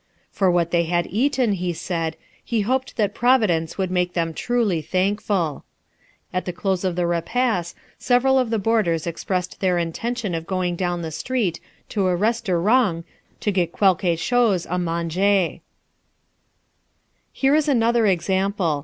For what they had eaten, he said, he hoped that Providence would make them truly thankful. At the close of the Repas several of the boarders expressed their intention of going down the street to a restourong to get quelque chose à manger. Here is another example.